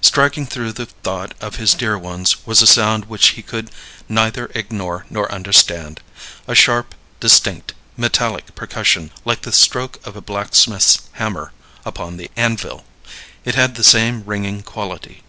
Striking through the thought of his dear ones was a sound which he could neither ignore nor understand, a sharp, distinct, metallic percussion like the stroke of a blacksmith's hammer upon the anvil; it had the same ringing quality.